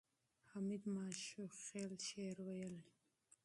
حمید ماشوخېل شعر ویلی.